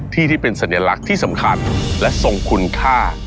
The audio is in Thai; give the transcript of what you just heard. ที่เป็นสัญลักษณ์ที่สำคัญและทรงคุณค่า